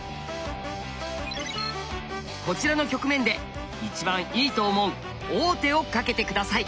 こちらの局面で一番いいと思う王手をかけて下さい。